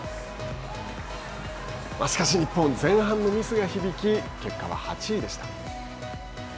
しかし日本、前半のミスが響き、結果は８位でした。